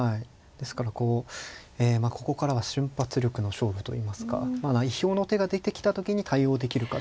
ですからこうまあここからは瞬発力の勝負といいますか意表の手が出てきた時に対応できるかどうか。